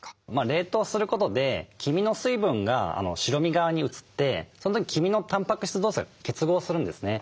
冷凍することで黄身の水分が白身側に移ってその時黄身のたんぱく質同士が結合するんですね。